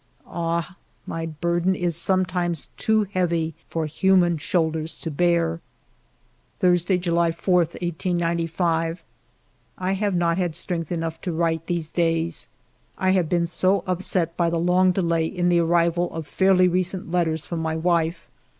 Ah, my burden is sometimes too heavy for human shoulders to bear ! Thursday, July 4, 1895. I have not had strength enough to write, these days, I have been so upset by the long delay in the arrival of fairly recent letters from my wife.